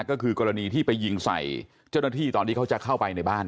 ก็คือกรณีที่ไปยิงใส่เจ้าหน้าที่ตอนที่เขาจะเข้าไปในบ้าน